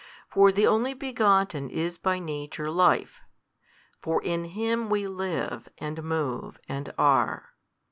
For the Only Begotten is by Nature Life: for in Him we live and move and are.